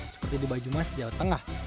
seperti di banyumas jawa tengah